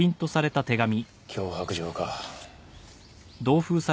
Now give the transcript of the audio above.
脅迫状か。